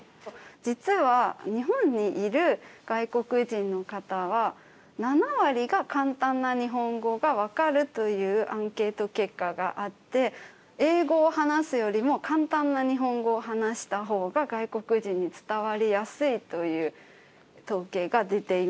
実は日本にいる外国人の方は７割が簡単な日本語が分かるというアンケート結果があって英語を話すよりも簡単な日本語を話したほうが外国人に伝わりやすいという統計が出ています。